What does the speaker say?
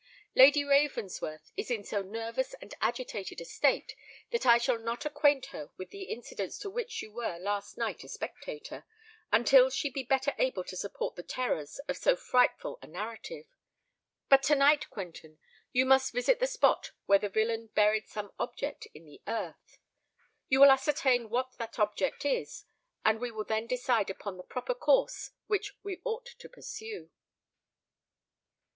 Lady Ravensworth is in so nervous and agitated a state, that I shall not acquaint her with the incidents to which you were last night a spectator, until she be better able to support the terrors of so frightful a narrative. But to night, Quentin, you must visit the spot where the villain buried some object in the earth: you will ascertain what that object is;—and we will then decide upon the proper course which we ought to pursue."